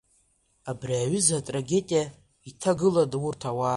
Абри аҩыза атрагедиа иҭагылан урҭ ауаа.